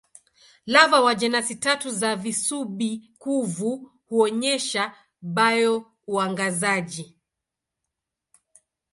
Lava wa jenasi tatu za visubi-kuvu huonyesha bio-uangazaji.